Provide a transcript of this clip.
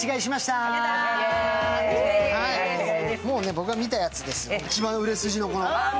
僕が見たやつで一番売れ筋の。